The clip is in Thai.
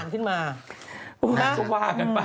เกิดคนนี้ผ่านมา